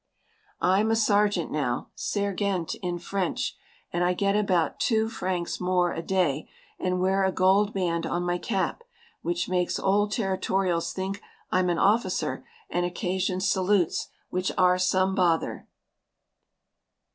I'm a sergeant now sergent in French and I get about two francs more a day and wear a gold band on my cap, which makes old territorials think I'm an officer and occasions salutes which are some bother.